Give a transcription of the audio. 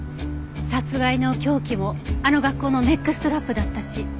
殺害の凶器もあの学校のネックストラップだったし。